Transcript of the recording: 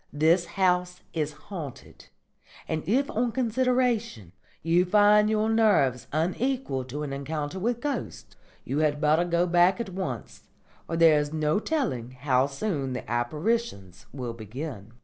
This house is haunted; and if on consideration you find your nerves unequal to an encounter with ghosts, you had better go back at once, for there is no telling how soon the apparitions will begin."